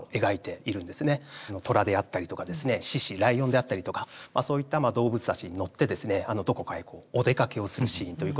虎であったりとか獅子ライオンであったりとかそういった動物たちに乗ってどこかへお出かけをするシーンということで。